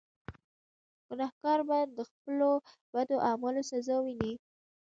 ګناهکار به د خپلو بدو اعمالو سزا ویني.